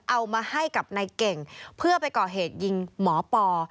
เอามาให้กับนายเก่งเพื่อไปก่อเหตุยิงหมอปอ